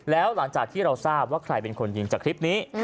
แล้วหลังจากที่เราทราบว่าใครเป็นคนยิงจากคลิปนี้